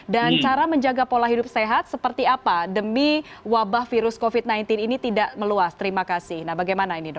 dan cara menjaga pola hidup sehat seperti apa demi wabah virus covid sembilan belas ini tidak meluas terima kasih nah bagaimana ini dok